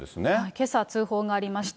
けさ通報がありました。